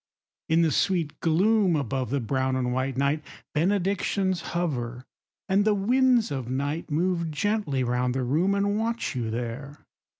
In the sweet gloom above the brown and white Night benedictions hover; and the winds of night Move gently round the room, and watch you there.